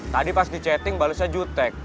tadi pas di chatting balesnya jutek